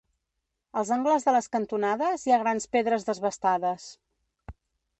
Als angles de les cantonades hi ha grans pedres desbastades.